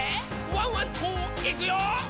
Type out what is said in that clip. ワンワンといくよ」